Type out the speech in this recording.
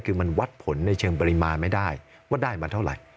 คือมันวัดผลในเชิงปริมาณไม่ได้ว่าได้มาเท่าไหร่